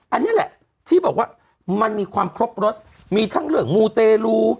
อันนี้แหละที่บอกว่ามันมีความครบรสมีทั้งเรื่องมูเตรลู